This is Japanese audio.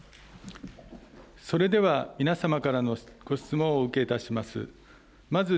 それでは皆様からのご質問をお受けいたします。